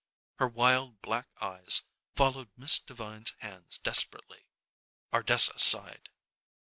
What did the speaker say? Her wild, black eyes followed Miss Devine's hands desperately. Ardessa sighed.